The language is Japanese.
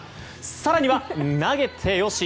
更には投げてよし。